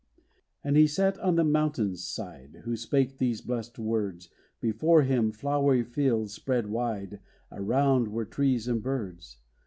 And he sat on the mountain's side, Who spake these blessed words, Before him flowery fields spread wide Around were trees and birds.